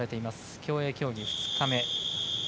競泳競技２日目。